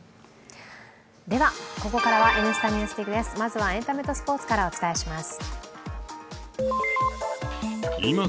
では、ここからは「Ｎスタ・ＮＥＷＳＤＩＧ」ですまずはエンタメとスポーツからお伝えします。